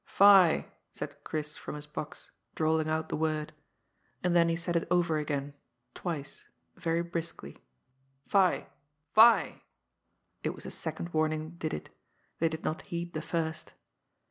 " Fie I " said Chris from his box, drawling out the word. And then he said it over again, twice, very briskly. *' Fie I fie!'' It was the second warning did it. They did not heed the first.